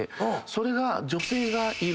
それが。